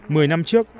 mười năm trước